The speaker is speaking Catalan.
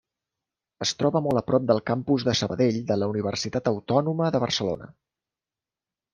Es troba molt a prop del Campus de Sabadell de la Universitat Autònoma de Barcelona.